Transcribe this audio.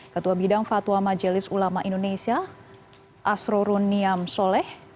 ketua bidang fatwa majelis ulama indonesia asrorun niam soleh